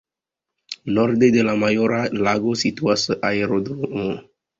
Norde de la Majora Lago situas aerodromo.